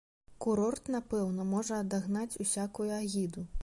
Курорт, напэўна, можа адагнаць усякую агіду.